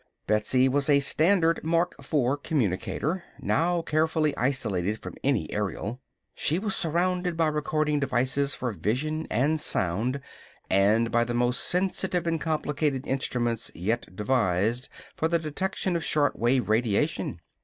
Betsy was a standard Mark IV communicator, now carefully isolated from any aerial. She was surrounded by recording devices for vision and sound, and by the most sensitive and complicated instruments yet devised for the detection of short wave radiation.